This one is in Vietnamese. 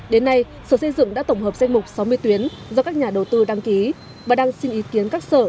đến nay sở xây dựng đã tổng hợp danh mục sáu mươi tuyến do các nhà đầu tư đăng ký và đang xin ý kiến các sở